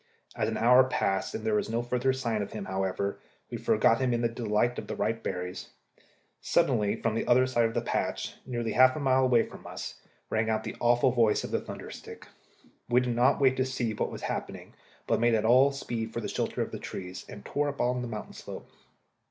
As an hour passed and there was no further sign of him, however, we forgot him in the delight of the ripe berries. Suddenly from the other side of the patch, nearly half a mile away from us, rang out the awful voice of the thunder stick. We did not wait to see what was happening, but made at all speed for the shelter of the trees, and tore on up the mountain slope.